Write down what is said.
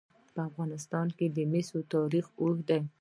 په افغانستان کې د مس تاریخ اوږد دی.